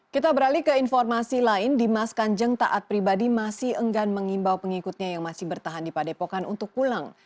kita beralih ke informasi lain dimas kanjeng taat pribadi masih enggan mengimbau pengikutnya yang masih bertahan di padepokan untuk pulang